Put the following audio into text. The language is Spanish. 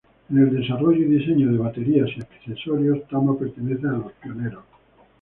En el desarrollo y diseño de baterías y accesorios Tama pertenece a los pioneros.